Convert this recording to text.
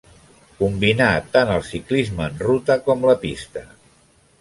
Combinà tant el ciclisme en ruta com la pista.